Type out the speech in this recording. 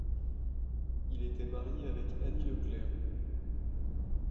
Il était marié avec Annie Leclerc.